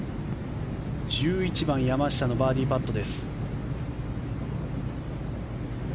１１番山下のバーディーパットです。